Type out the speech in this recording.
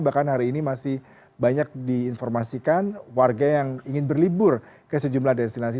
bahkan hari ini masih banyak diinformasikan warga yang ingin berlibur ke sejumlah destinasi